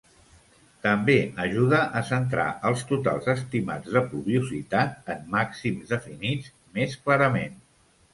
També ajuda a centrar els totals estimats de pluviositat en màxims definits més clarament.